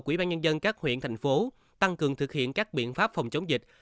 quỹ ban nhân dân các huyện thành phố tăng cường thực hiện các biện pháp phòng chống dịch